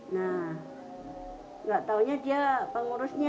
nah nggak taunya dia pengurusnya